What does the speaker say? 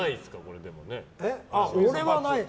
俺はない。